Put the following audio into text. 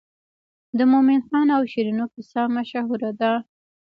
د مومن خان او شیرینو کیسه مشهوره ده.